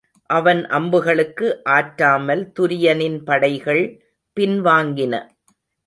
அவன் அம்புகளுக்கு ஆற்றாமல் துரியனின் படைகள் பின்வாங்கின.